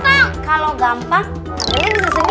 pertama tama bersihkan ikan